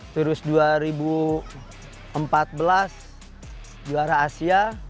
terus dua ribu empat belas juara asia